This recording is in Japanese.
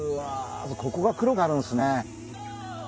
まずここが黒くなるんすね。